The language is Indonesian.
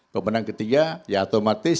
pemenang ketiga ya otomatis